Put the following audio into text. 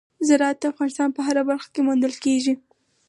زراعت د افغانستان په هره برخه کې موندل کېږي.